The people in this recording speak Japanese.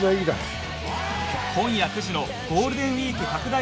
今夜９時のゴールデンウィーク拡大